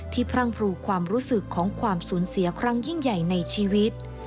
พรั่งพรูความรู้สึกของความสูญเสียครั้งยิ่งใหญ่ในชีวิต